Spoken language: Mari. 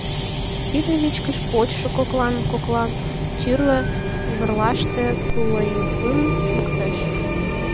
Тиде вичкыж почшо коклан-коклан тӱрлӧ верлаште тулойыпым луктеш.